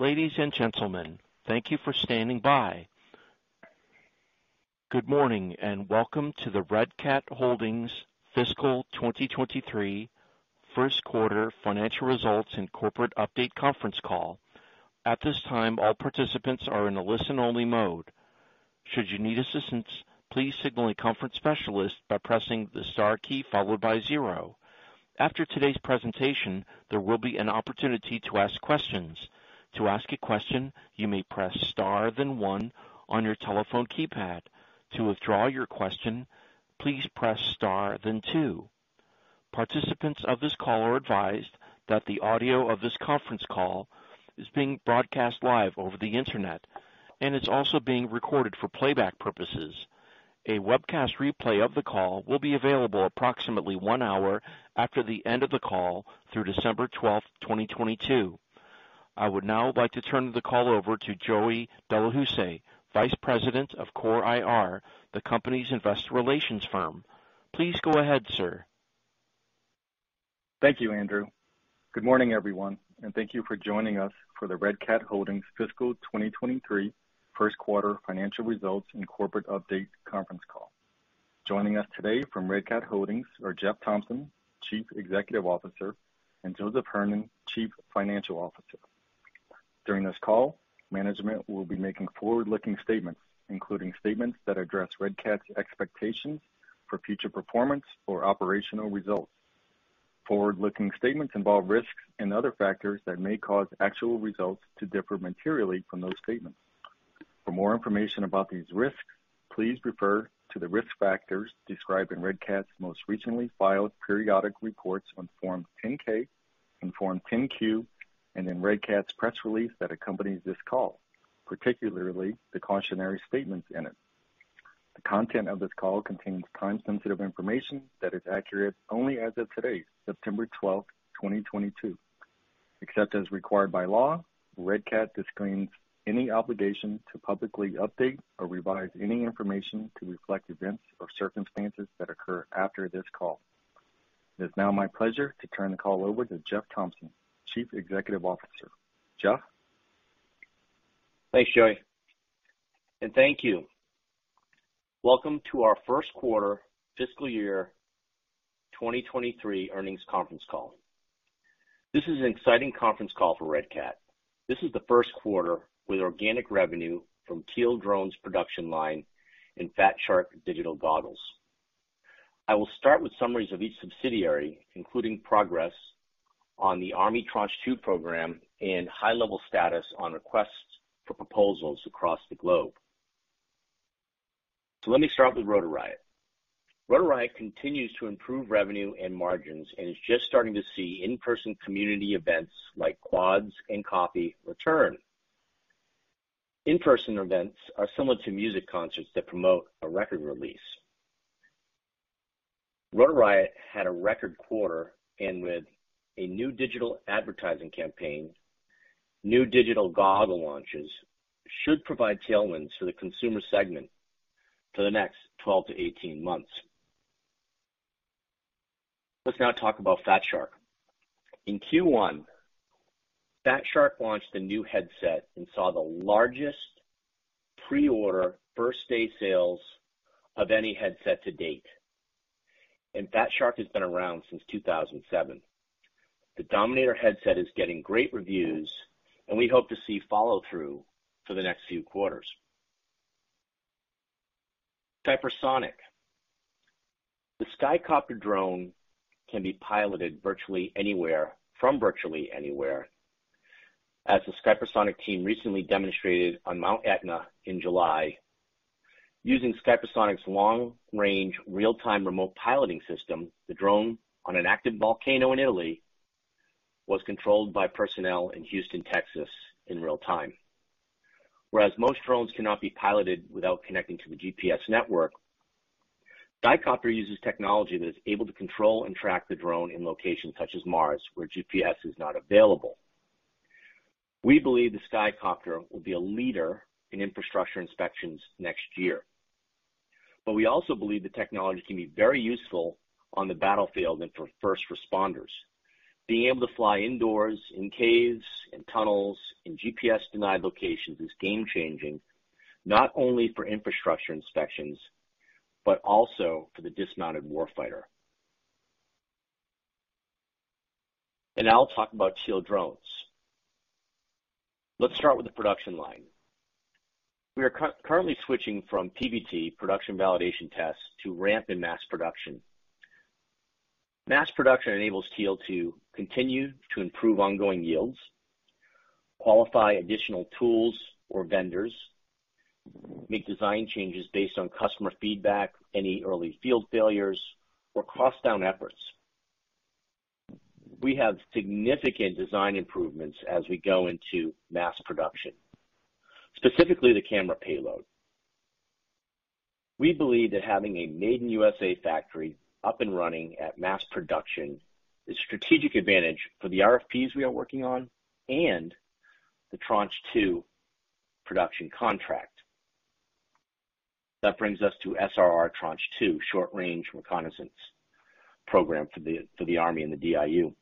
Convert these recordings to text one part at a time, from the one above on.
Ladies and gentlemen, thank you for standing by. Good morning, and welcome to the Red Cat Holdings Fiscal 2023 first quarter financial results and corporate update conference call. At this time, all participants are in a listen-only mode. Should you need assistance, please signal a conference specialist by pressing the star key followed by zero. After today's presentation, there will be an opportunity to ask questions. To ask a question, you may press star then one on your telephone keypad. To withdraw your question, please press star then two. Participants of this call are advised that the audio of this conference call is being broadcast live over the Internet and is also being recorded for playback purposes. A webcast replay of the call will be available approximately one hour after the end of the call through December twelfth, twenty twenty-two. I would now like to turn the call over to Joey Delahoussaye, Vice President of CORE IR, the company's investor relations firm. Please go ahead, sir. Thank you, Andrew. Good morning, everyone, and thank you for joining us for the Red Cat Holdings Fiscal 2023 first quarter financial results and corporate update conference call. Joining us today from Red Cat Holdings are Jeff Thompson, Chief Executive Officer, and Joseph Hernon, Chief Financial Officer. During this call, management will be making forward-looking statements, including statements that address Red Cat's expectations for future performance or operational results. Forward-looking statements involve risks and other factors that may cause actual results to differ materially from those statements. For more information about these risks, please refer to the risk factors described in Red Cat's most recently filed periodic reports on Form 10-K and Form 10-Q and in Red Cat's press release that accompanies this call, particularly the cautionary statements in it. The content of this call contains time-sensitive information that is accurate only as of today, September 12, 2022. Except as required by law, Red Cat disclaims any obligation to publicly update or revise any information to reflect events or circumstances that occur after this call. It is now my pleasure to turn the call over to Jeff Thompson, Chief Executive Officer. Jeff? Thanks, Joey. Thank you. Welcome to our first quarter fiscal year 2023 earnings conference call. This is an exciting conference call for Red Cat. This is the first quarter with organic revenue from Teal Drones production line and Fat Shark digital goggles. I will start with summaries of each subsidiary, including progress on the Army Tranche Two program and high-level status on requests for proposals across the globe. Let me start with Rotor Riot. Rotor Riot continues to improve revenue and margins and is just starting to see in-person community events like Quads and Coffee return. In-person events are similar to music concerts that promote a record release. Rotor Riot had a record quarter and with a new digital advertising campaign, new digital goggle launches should provide tailwinds to the consumer segment for the next 12-18 months. Let's now talk about Fat Shark. In Q1, Fat Shark launched a new headset and saw the largest pre-order first-day sales of any headset to date. Fat Shark has been around since 2007. The Dominator headset is getting great reviews, and we hope to see follow-through for the next few quarters. Skypersonic. The Skycopter drone can be piloted virtually anywhere from virtually anywhere, as the Skypersonic team recently demonstrated on Mount Etna in July. Using Skypersonic's long-range real-time remote piloting system, the drone on an active volcano in Italy was controlled by personnel in Houston, Texas, in real time. Whereas most drones cannot be piloted without connecting to the GPS network, Skycopter uses technology that is able to control and track the drone in locations such as Mars, where GPS is not available. We believe the Skycopter will be a leader in infrastructure inspections next year. We also believe the technology can be very useful on the battlefield and for first responders. Being able to fly indoors, in caves, in tunnels, in GPS-denied locations is game-changing, not only for infrastructure inspections, but also for the dismounted warfighter. Now I'll talk about Teal Drones. Let's start with the production line. We are currently switching from PVT, production validation tests, to ramp in mass production. Mass production enables Teal to continue to improve ongoing yields, qualify additional tools or vendors, make design changes based on customer feedback, any early field failures or cost down efforts. We have significant design improvements as we go into mass production, specifically the camera payload. We believe that having a Made in USA factory up and running at mass production is a strategic advantage for the RFPs we are working on and the Tranche Two production contract. That brings us to SRR Tranche Two Short Range Reconnaissance program for the Army and the DIU.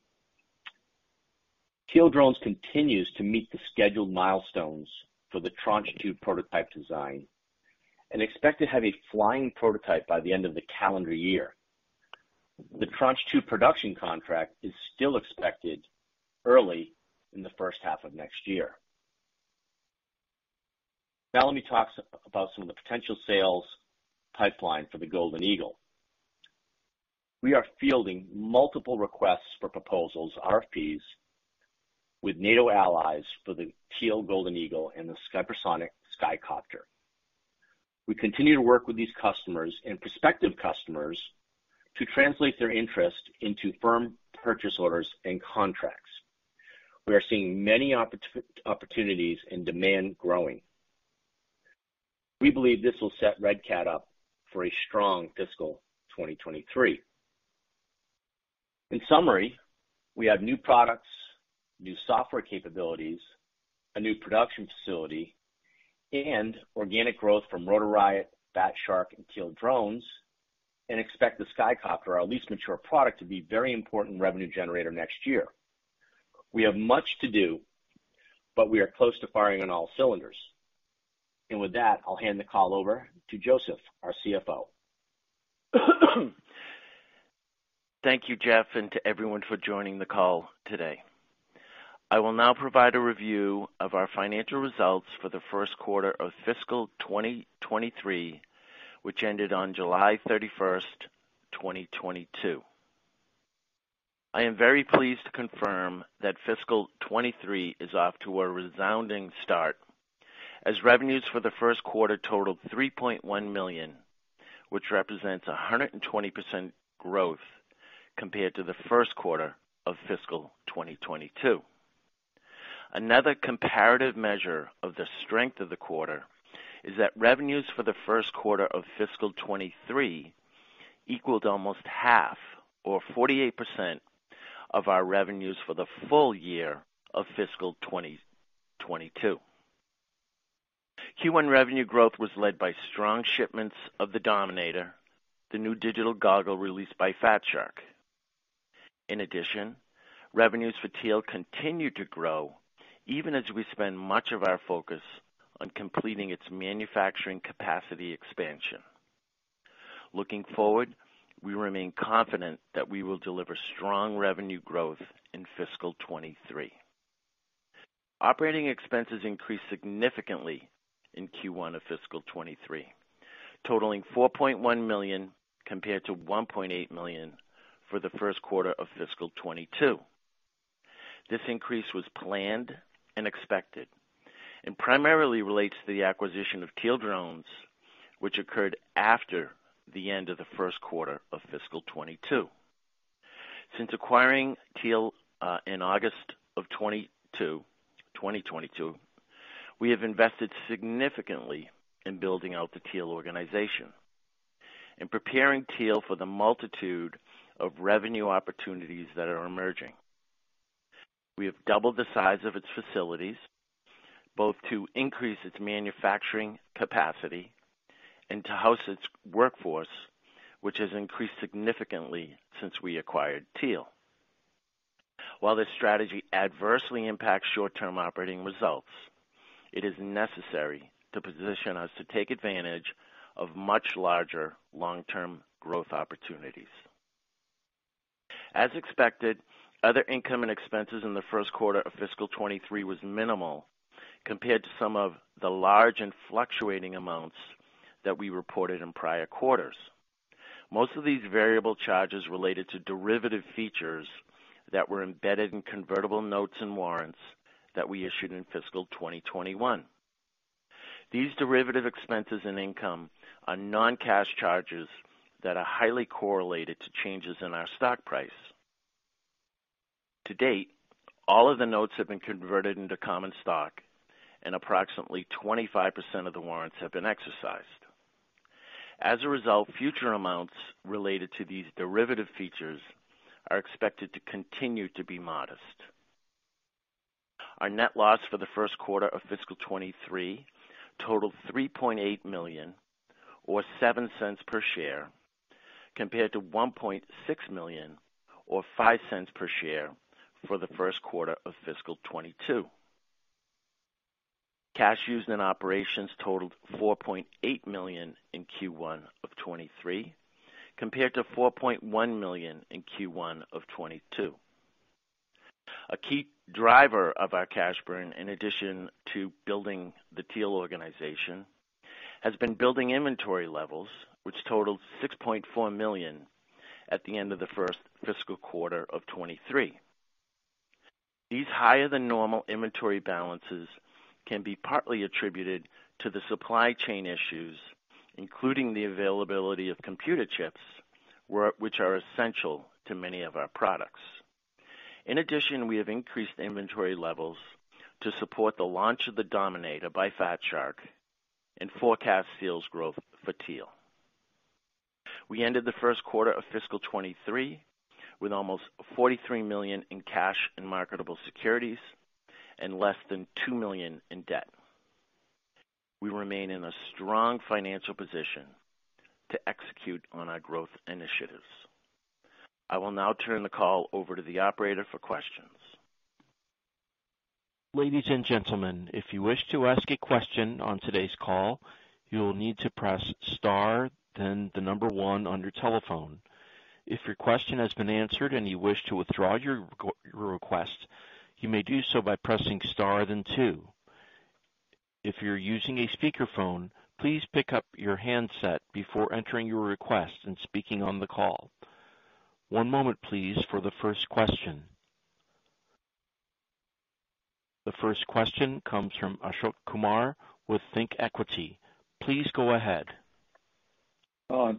Teal Drones continues to meet the scheduled milestones for the Tranche Two prototype design and expect to have a flying prototype by the end of the calendar year. The Tranche Two production contract is still expected early in the first half of next year. Now let me talk about some of the potential sales pipeline for the Golden Eagle. We are fielding multiple requests for proposals, RFPs with NATO allies for the Teal Golden Eagle and the Skypersonic Skycopter. We continue to work with these customers and prospective customers to translate their interest into firm purchase orders and contracts. We are seeing many opportunities and demand growing. We believe this will set Red Cat up for a strong fiscal 2023. In summary, we have new products, new software capabilities, a new production facility and organic growth from Rotor Riot, Fat Shark and Teal Drones and expect the Skycopter, our least mature product, to be very important revenue generator next year. We have much to do, but we are close to firing on all cylinders. With that, I'll hand the call over to Joseph, our CFO. Thank you, Jeff, and to everyone for joining the call today. I will now provide a review of our financial results for the first quarter of fiscal 2023, which ended on July 31st, 2022. I am very pleased to confirm that fiscal 2023 is off to a resounding start as revenues for the first quarter totaled $3.1 million, which represents 120% growth compared to the first quarter of fiscal 2022. Another comparative measure of the strength of the quarter is that revenues for the first quarter of fiscal 2023 equaled almost half or 48% of our revenues for the full year of fiscal 2022. Q1 revenue growth was led by strong shipments of the Dominator, the new digital goggle released by Fat Shark. In addition, revenues for Teal continued to grow even as we spend much of our focus on completing its manufacturing capacity expansion. Looking forward, we remain confident that we will deliver strong revenue growth in fiscal 2023. Operating expenses increased significantly in Q1 of fiscal 2023, totaling $4.1 million compared to $1.8 million for the first quarter of fiscal 2022. This increase was planned and expected and primarily relates to the acquisition of Teal Drones, which occurred after the end of the first quarter of fiscal 2022. Since acquiring Teal in August of 2022, we have invested significantly in building out the Teal organization and preparing Teal for the multitude of revenue opportunities that are emerging. We have doubled the size of its facilities, both to increase its manufacturing capacity and to house its workforce, which has increased significantly since we acquired Teal. While this strategy adversely impacts short-term operating results, it is necessary to position us to take advantage of much larger long-term growth opportunities. As expected, other income and expenses in the first quarter of fiscal 2023 was minimal compared to some of the large and fluctuating amounts that we reported in prior quarters. Most of these variable charges related to derivative features that were embedded in convertible notes and warrants that we issued in fiscal 2021. These derivative expenses and income are non-cash charges that are highly correlated to changes in our stock price. To date, all of the notes have been converted into common stock and approximately 25% of the warrants have been exercised. As a result, future amounts related to these derivative features are expected to continue to be modest. Our net loss for the first quarter of fiscal 2023 totaled $3.8 million, or $0.07 per share, compared to $1.6 million or $0.05 per share for the first quarter of fiscal 2022. Cash used in operations totaled $4.8 million in Q1 of 2023, compared to $4.1 million in Q1 of 2022. A key driver of our cash burn, in addition to building the Teal organization, has been building inventory levels, which totaled $6.4 million at the end of the first fiscal quarter of 2023. These higher than normal inventory balances can be partly attributed to the supply chain issues, including the availability of computer chips, which are essential to many of our products. In addition, we have increased inventory levels to support the launch of the Dominator by Fat Shark and forecast sales growth for Teal. We ended the first quarter of fiscal 2023 with almost $43 million in cash and marketable securities and less than $2 million in debt. We remain in a strong financial position to execute on our growth initiatives. I will now turn the call over to the operator for questions. Ladies and gentlemen, if you wish to ask a question on today's call, you will need to press star then the number one on your telephone. If your question has been answered and you wish to withdraw your request, you may do so by pressing star then two. If you're using a speakerphone, please pick up your handset before entering your request and speaking on the call. One moment please for the first question. The first question comes from Ashok Kumar with ThinkEquity. Please go ahead.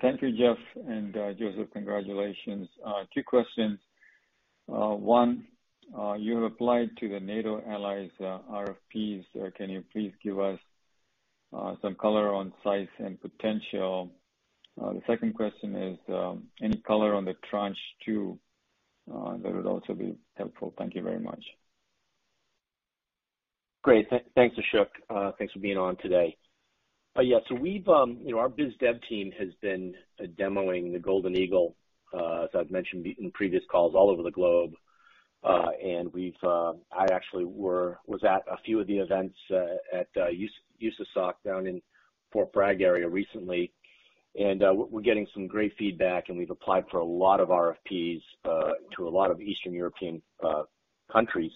Thank you, Jeff and Joseph. Congratulations. Two questions. One, you have applied to the NATO allies RFPs. Can you please give us some color on size and potential? The second question is, any color on the Tranche Two. That would also be helpful. Thank you very much. Great. Thanks, Ashok. Thanks for being on today. Yeah. We've, you know, our biz dev team has been demoing the Golden Eagle, as I've mentioned in previous calls all over the globe. We've, I actually was at a few of the events, at USASOC down in Fort Bragg area recently. We're getting some great feedback, and we've applied for a lot of RFPs, to a lot of Eastern European countries.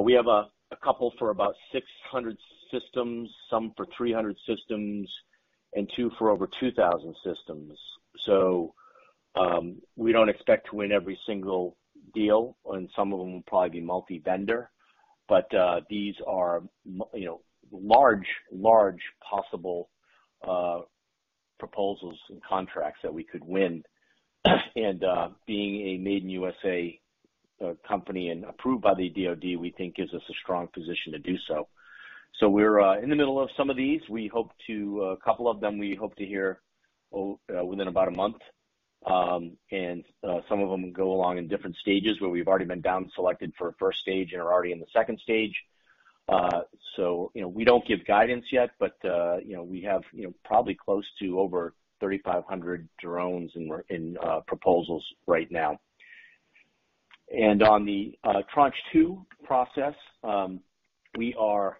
We have a couple for about 600 systems, some for 300 systems, and two for over 2,000 systems. We don't expect to win every single deal, and some of them will probably be multi-vendor. But these are, you know, large possible proposals and contracts that we could win. Being a Made in USA company and approved by the DoD, we think gives us a strong position to do so. We're in the middle of some of these. We hope to hear on a couple of them within about a month. Some of them go along in different stages where we've already been down selected for a first stage and are already in the second stage. You know, we don't give guidance yet, but you know, we have, you know, probably close to over 3,500 drones in proposals right now. On the Tranche Two process, we've gotten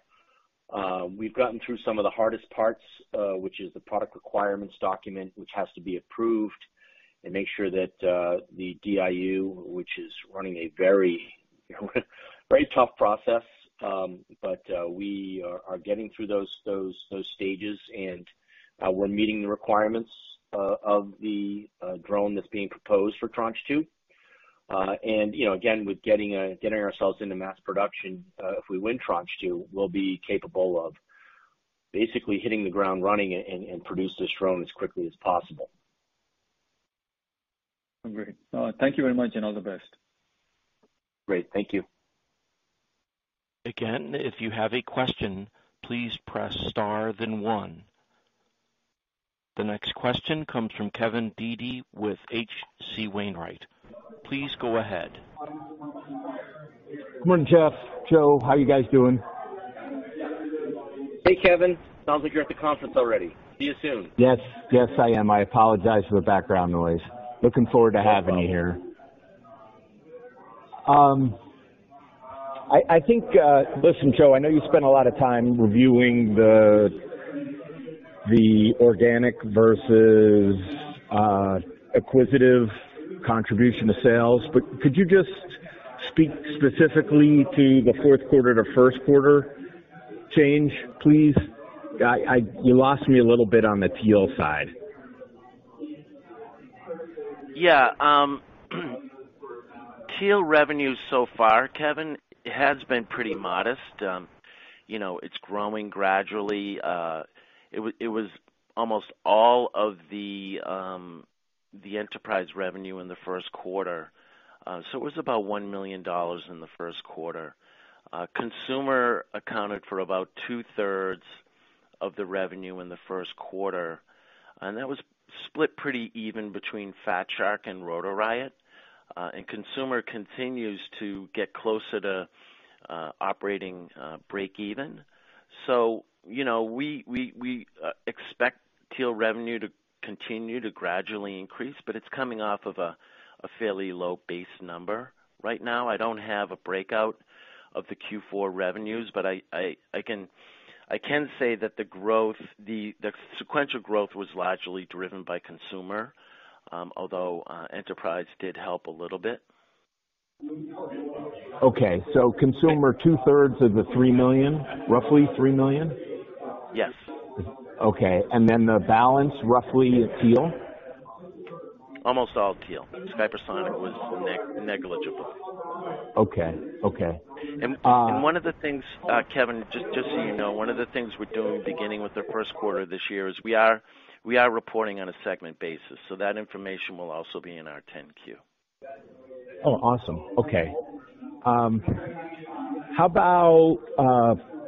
through some of the hardest parts, which is the product requirements document, which has to be approved and make sure that the DIU, which is running a very, very tough process. We are getting through those stages and we're meeting the requirements of the drone that's being proposed for Tranche Two. You know, again, with getting ourselves into mass production, if we win Tranche Two, we'll be capable of basically hitting the ground running and produce this drone as quickly as possible. Great. Thank you very much, and all the best. Great. Thank you. Again, if you have a question, please press star then one. The next question comes from Kevin Dede with H.C. Wainwright. Please go ahead. Good morning, Jeff, Joe. How are you guys doing? Hey, Kevin. Sounds like you're at the conference already. See you soon. Yes. Yes, I am. I apologize for the background noise. Looking forward to having you here. I think, listen, Joe, I know you spent a lot of time reviewing the organic versus acquisitive contribution to sales, but could you just speak specifically to the fourth quarter to first quarter change, please? You lost me a little bit on the Teal side. Yeah. Teal revenue so far, Kevin, has been pretty modest. You know, it's growing gradually. It was almost all of the enterprise revenue in the first quarter. It was about $1 million in the first quarter. Consumer accounted for about two-thirds of the revenue in the first quarter, and that was split pretty even between Fat Shark and Rotor Riot. Consumer continues to get closer to operating breakeven. You know, we expect Teal revenue to continue to gradually increase, but it's coming off of a fairly low base number right now. I don't have a breakout of the Q4 revenues, but I can say that the growth, the sequential growth was largely driven by consumer, although enterprise did help a little bit. Okay. Consumer, two-thirds of the 3 million, roughly 3 million? Yes. Okay. The balance, roughly Teal? Almost all Teal. Skypersonic was negligible. Okay. Kevin, just so you know, one of the things we're doing beginning with the first quarter this year is we are reporting on a segment basis. That information will also be in our 10-Q. Oh, awesome. Okay. How about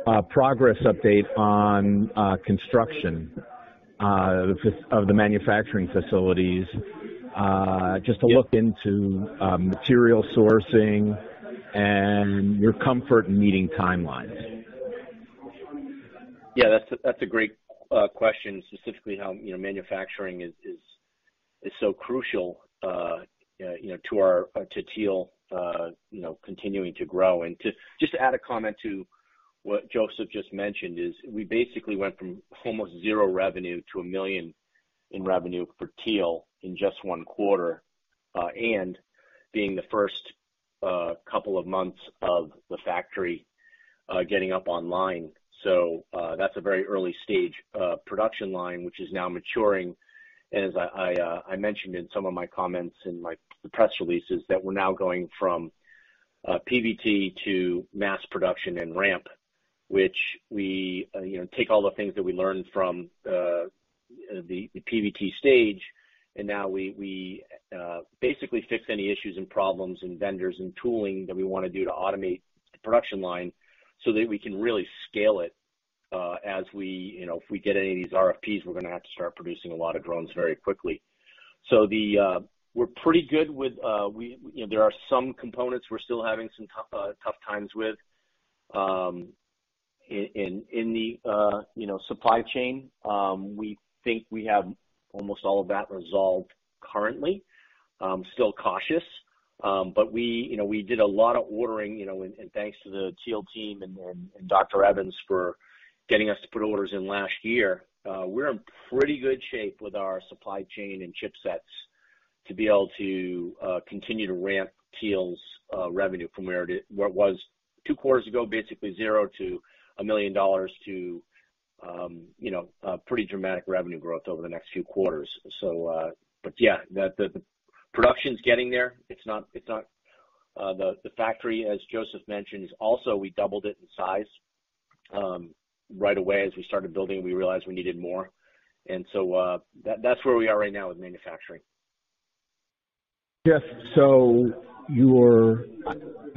a progress update on construction of the manufacturing facilities just to look into material sourcing and your comfort in meeting timelines? Yeah, that's a great question, specifically how, you know, manufacturing is so crucial, you know, to our Teal, you know, continuing to grow. To just add a comment to what Joseph just mentioned is we basically went from almost zero revenue to $1 million in revenue for Teal in just one quarter, and being the first couple of months of the factory getting up online. That's a very early stage production line, which is now maturing. As I mentioned in some of my comments in the press releases, that we're now going from PVT to mass production and ramp, which we you know take all the things that we learned from the PVT stage, and now we basically fix any issues and problems and vendors and tooling that we wanna do to automate the production line so that we can really scale it, as we you know if we get any of these RFPs, we're gonna have to start producing a lot of drones very quickly. We're pretty good with. You know, there are some components we're still having some tough times with in the supply chain. We think we have almost all of that resolved currently. Still cautious. We, you know, we did a lot of ordering, you know, and thanks to the Teal team and Dr. Evans for getting us to put orders in last year. We're in pretty good shape with our supply chain and chipsets to be able to continue to ramp Teal's revenue from where it was two quarters ago, basically zero to $1 million to, you know, a pretty dramatic revenue growth over the next few quarters. Yeah, the production's getting there. It's not the factory, as Joseph mentioned, we also doubled it in size. Right away as we started building, we realized we needed more. That's where we are right now with manufacturing. Jeff, you were.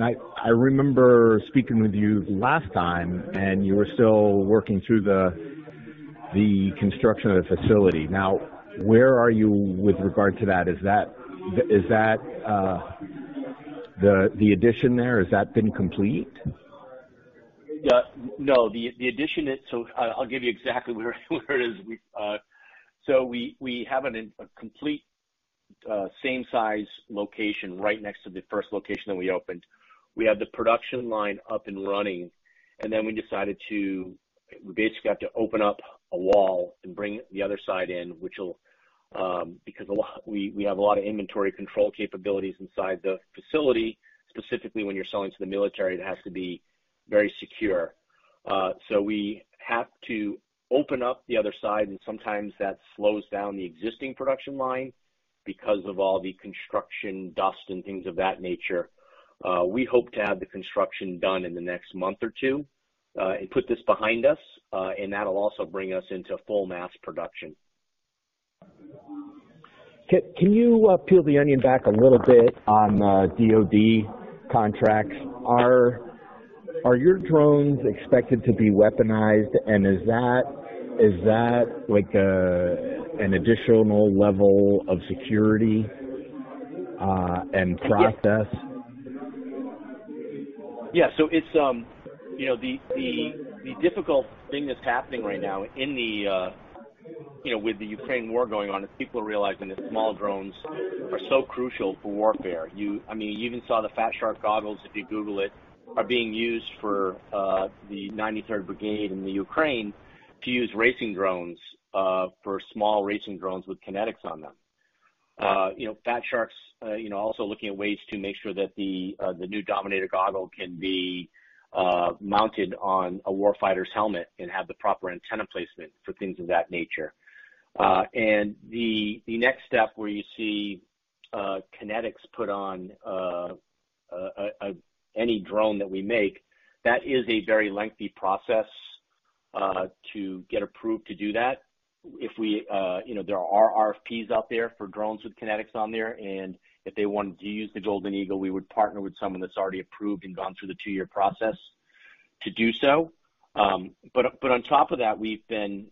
I remember speaking with you last time, and you were still working through the construction of the facility. Now, where are you with regard to that? Is that the addition there? Has that been complete? Yeah. No, the addition is. I'll give you exactly where it is. We have a complete same size location right next to the first location that we opened. We had the production line up and running, and then we decided to basically have to open up a wall and bring the other side in, which, because a lot, we have a lot of inventory control capabilities inside the facility. Specifically when you're selling to the military, it has to be very secure. We have to open up the other side, and sometimes that slows down the existing production line because of all the construction dust and things of that nature. We hope to have the construction done in the next month or two, and put this behind us, and that'll also bring us into full mass production. Can you peel the onion back a little bit on DoD contracts? Are your drones expected to be weaponized and is that like an additional level of security and process? Yeah. It's, you know, the difficult thing that's happening right now in the, you know, with the Ukraine war going on is people are realizing that small drones are so crucial for warfare. You, I mean, you even saw the Fat Shark goggles, if you Google it, are being used for, the 93rd Brigade in the Ukraine to use racing drones, for small racing drones with kinetics on them. You know, Fat Shark's also looking at ways to make sure that the new Dominator goggle can be, mounted on a war fighter's helmet and have the proper antenna placement for things of that nature. The next step where you see kinetics put on any drone that we make, that is a very lengthy process to get approved to do that. If we you know there are RFPs out there for drones with kinetics on there, and if they wanted to use the Golden Eagle, we would partner with someone that's already approved and gone through the two-year process to do so. On top of that, we've been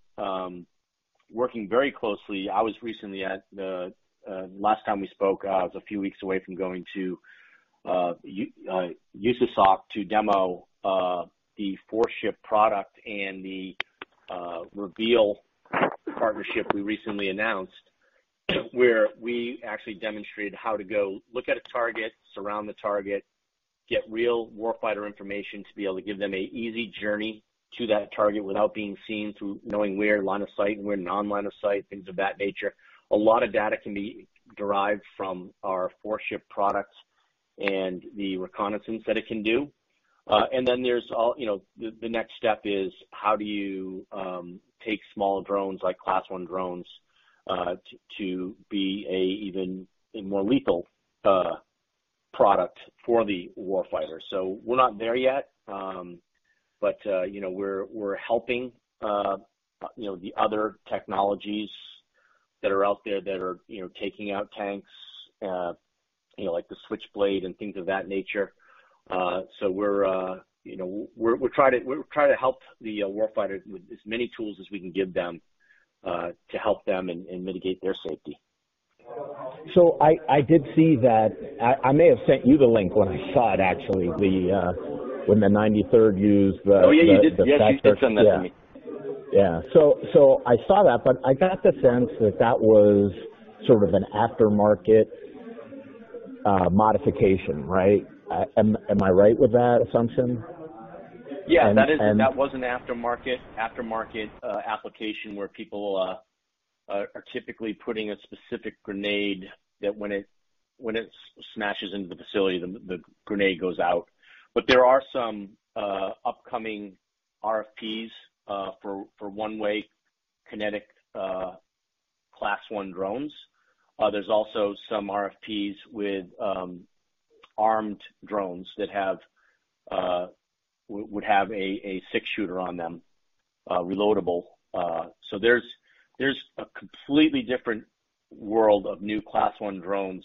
working very closely. I was recently at the last time we spoke, I was a few weeks away from going to USASOC to demo the Farsight product and the Reveal partnership we recently announced, where we actually demonstrated how to go look at a target, surround the target, get real war fighter information to be able to give them an easy journey to that target without being seen through knowing where line of sight and where non-line of sight, things of that nature. A lot of data can be derived from our Farsight products and the reconnaissance that it can do. You know, the next step is how do you take small drones, like Class I drones, to be an even more lethal product for the war fighter. We're not there yet, but you know, we're helping you know, the other technologies that are out there that are you know, taking out tanks you know, like the Switchblade and things of that nature. You know, we're trying to help the warfighter with as many tools as we can give them to help them and mitigate their safety. I did see that. I may have sent you the link when I saw it actually, when the 93rd used the Fat Shark. Oh, yeah. You did. Yes, you did send that to me. Yeah. I saw that, but I got the sense that that was sort of an aftermarket modification. Right? Am I right with that assumption? Yeah. That was an aftermarket application where people are typically putting a specific grenade that when it smashes into the facility, the grenade goes out. There are some upcoming RFPs for one-way kinetic Class I drones. There's also some RFPs with armed drones that would have a six shooter on them, reloadable. There's a completely different world of new Class I drones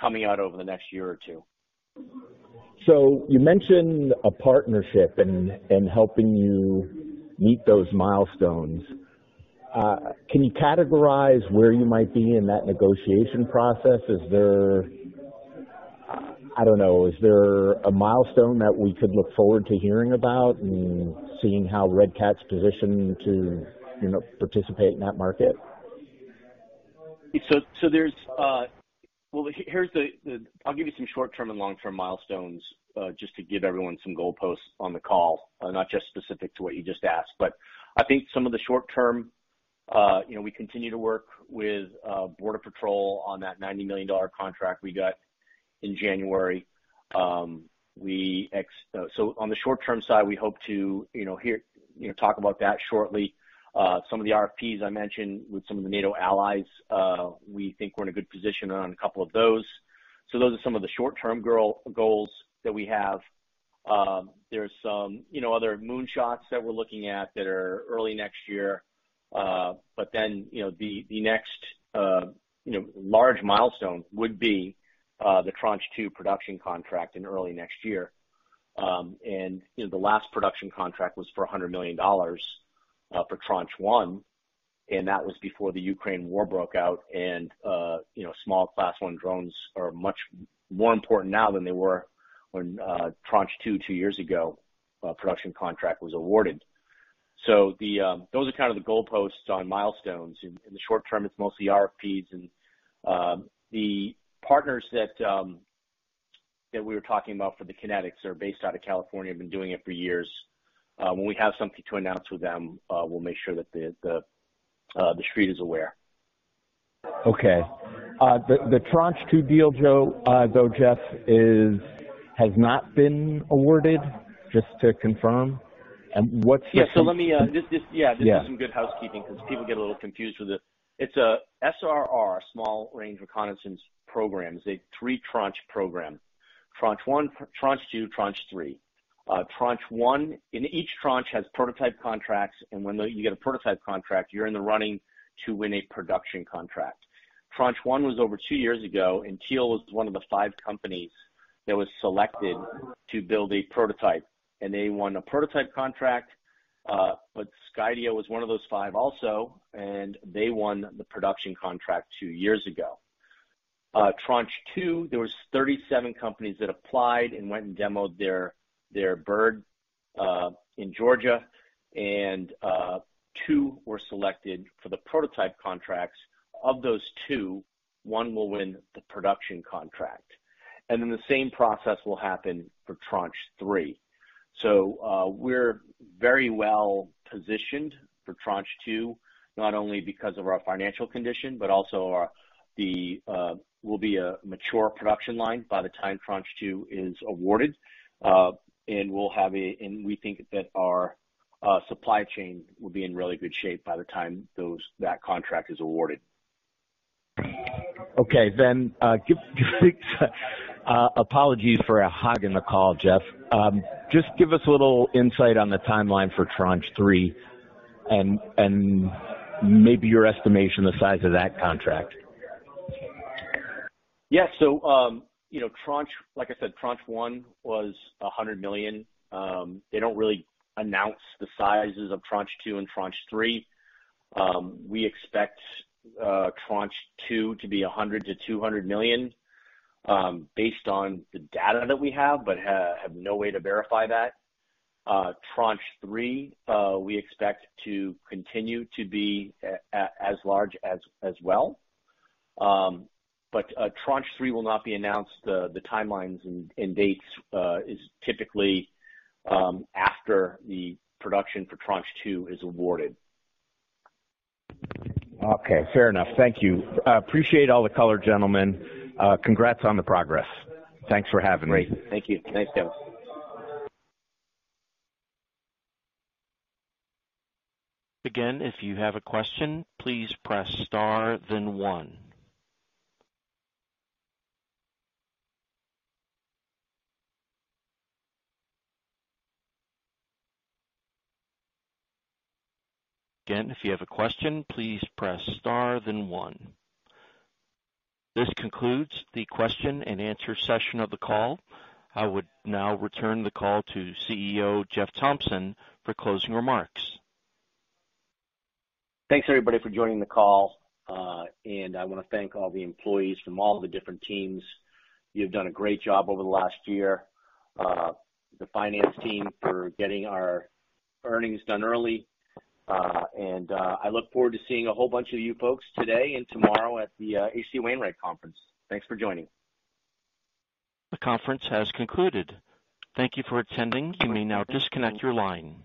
coming out over the next year or two. You mentioned a partnership and helping you meet those milestones. Can you categorize where you might be in that negotiation process? Is there a milestone that we could look forward to hearing about and seeing how Red Cat's positioned to, you know, participate in that market? Well, here's I'll give you some short-term and long-term milestones, just to give everyone some goalposts on the call, not just specific to what you just asked. I think some of the short term, you know, we continue to work with Border Patrol on that $90 million contract we got in January. On the short term side, we hope to, you know, hear, you know, talk about that shortly. Some of the RFPs I mentioned with some of the NATO allies, we think we're in a good position on a couple of those. Those are some of the short term goals that we have. There's some, you know, other moonshots that we're looking at that are early next year. You know, the next large milestone would be the Tranche Two production contract in early next year. You know, the last production contract was for $100 million for Tranche One, and that was before the Ukraine war broke out. You know, small Class I drones are much more important now than they were when Tranche Two two years ago production contract was awarded. Those are kind of the goalposts on milestones. In the short term, it's mostly RFPs. The partners that we were talking about for the kinetics are based out of California, have been doing it for years. When we have something to announce with them, we'll make sure that TheStreet is aware. Okay. The Tranche Two deal, though, Jeff has not been awarded, just to confirm? What's the- Yeah. Let me this yeah. Yeah. This is some good housekeeping because people get a little confused with it. It's a SRR, Short Range Reconnaissance program, a three tranche program. Tranche One, Tranche Two, Tranche Three. Tranche One, and each tranche has prototype contracts, and when you get a prototype contract, you're in the running to win a production contract. Tranche One was over two years ago, and Teal was one of the five companies that was selected to build a prototype, and they won a prototype contract. But Skydio was one of those five also, and they won the production contract two years ago. Tranche Two, there was 37 companies that applied and went and demoed their bird in Georgia, and two were selected for the prototype contracts. Of those two, one will win the production contract. Then the same process will happen for Tranche Three. We're very well positioned for Tranche Two, not only because of our financial condition, but also we'll be a mature production line by the time Tranche Two is awarded. We think that our supply chain will be in really good shape by the time that contract is awarded. Give apologies for hogging the call, Jeff. Just give us a little insight on the timeline for Tranche three and maybe your estimation, the size of that contract. Yeah. You know, Tranche, like I said, Tranche One was $100 million. They don't really announce the sizes of Tranche Two and Tranche Three. We expect Tranche Two to be $100-$200 million, based on the data that we have, but have no way to verify that. Tranche Three, we expect to continue to be as large as well. But Tranche Three will not be announced. The timelines and dates is typically after the production for Tranche Two is awarded. Okay, fair enough. Thank you. Appreciate all the color, gentlemen. Congrats on the progress. Thanks for having me. Great. Thank you. Thanks, Kevin. Again, if you have a question, please press star then one. Again, if you have a question, please press star then one. This concludes the question and answer session of the call. I would now return the call to CEO Jeff Thompson for closing remarks. Thanks everybody for joining the call. I want to thank all the employees from all the different teams. You've done a great job over the last year. The finance team for getting our earnings done early. I look forward to seeing a whole bunch of you folks today and tomorrow at the H.C. Wainwright Conference. Thanks for joining. The conference has concluded. Thank you for attending. You may now disconnect your line.